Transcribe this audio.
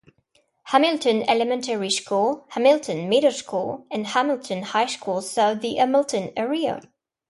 Hamilton Elementary School, Hamilton Middle School, and Hamilton High School serve the Hamilton area.